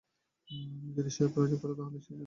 যদি সে অগ্রাহ্য করে তাহলে যেন আবারও বাধা দেয়।